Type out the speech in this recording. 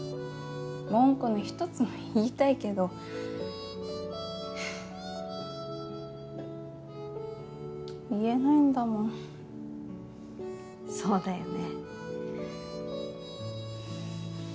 文句のひとつも言いたいけど言えないんだもんそうだよね